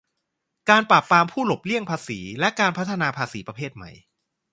การปราบปรามผู้หลบเลี่ยงภาษี และการพัฒนาภาษีประเภทใหม่